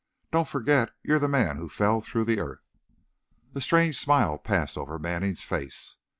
Don't forget you're the Man Who Fell Through the Earth." A strange smile passed over Manning's face.